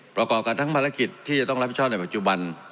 ประกอบกันทั้งภารกิจที่จะต้องรับผิดชอบในปัจจุบัน